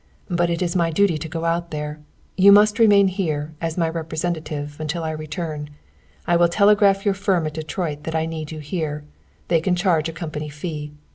"But it is my duty to go out there. You must remain here, as my representative, until I return. I will telegraph your firm at Detroit that I need you here. They can charge a company fee.